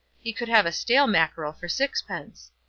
He could have a stale mackerel for sixpence.